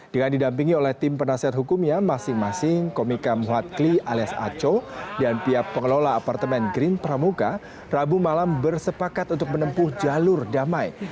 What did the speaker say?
dengan didampingi oleh tim penasihat hukumnya masing masing komika muhad kli alias aco dan pihak pengelola apartemen green pramuka rabu malam bersepakat untuk menempuh jalur damai